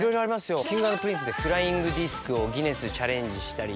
Ｋｉｎｇ＆Ｐｒｉｎｃｅでフライングディスクをギネスチャレンジしたり。